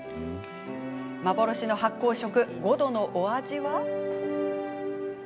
幻の発酵食、ごどのお味は？